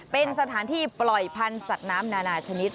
เป็นสถานที่ปล่อยพันธุ์สัตว์น้ำนานาชนิด